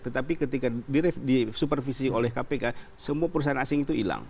tetapi ketika disupervisi oleh kpk semua perusahaan asing itu hilang